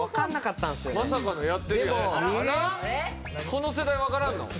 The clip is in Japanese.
この世代わからんの？